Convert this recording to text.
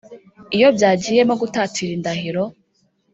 Iyo byagiyemo gutatira indahiro